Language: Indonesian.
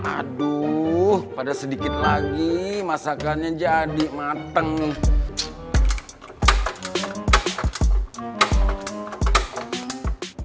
aduh pada sedikit lagi masakannya jadi mateng nih